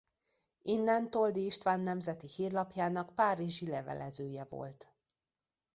Innen Toldy István nemzeti Hírlapjának párizsi levelezője volt.